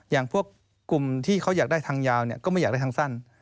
อย่างพวกกลุ่มที่เขาอยากได้ทางยาวก็ไม่อยากได้ทางสั้น